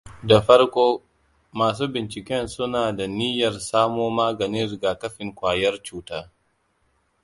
Da farko, masu binciken suna da niyyar samo maganin rigakafin kwayar cuta.